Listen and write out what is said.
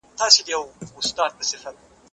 هغه وويل چي کتابتوني کار ضروري دي.